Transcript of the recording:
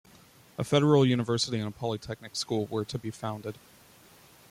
A Federal university and a polytechnic school were to be founded.